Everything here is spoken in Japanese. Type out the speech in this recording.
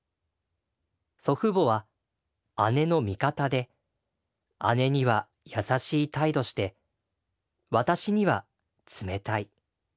祖父母は姉の味方で姉には優しい態度して私には冷たい。